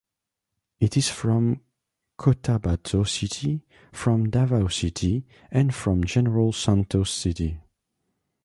It is from Cotabato City, from Davao City, and from General Santos City.